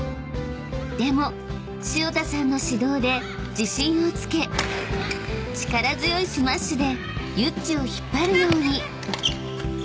［でも潮田さんの指導で自信をつけ力強いスマッシュでユッチを引っ張るように］